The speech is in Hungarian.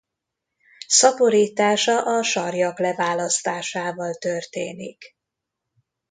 Szaporítása a sarjak leválasztásával történik.